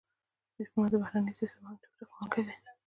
ډيپلومات د بهرني سیاست مهم تطبیق کوونکی دی.